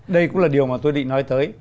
đây cũng là điều mà tôi định nói tới